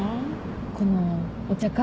このお茶会？